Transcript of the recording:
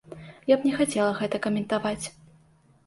Я б не хацела гэта каментаваць.